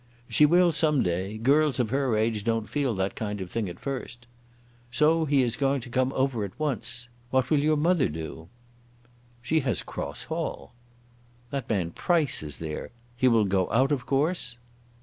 "She will some day. Girls of her age don't feel that kind of thing at first. So he is going to come over at once. What will your mother do?" "She has Cross Hall." "That man Price is there. He will go out of course?"